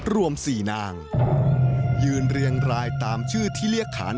รวม๔นางยืนเรียงรายตามชื่อที่เรียกขาน